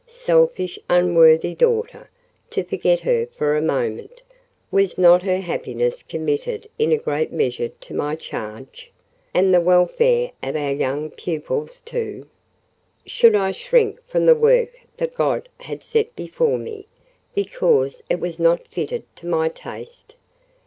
Selfish, unworthy daughter, to forget her for a moment! Was not her happiness committed in a great measure to my charge?—and the welfare of our young pupils too? Should I shrink from the work that God had set before me, because it was not fitted to my taste?